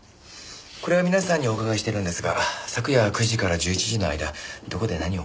これは皆さんにお伺いしてるんですが昨夜９時から１１時の間どこで何を？